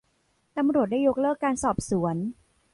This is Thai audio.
ตำรวจได้ยกเลิกการสอบสวน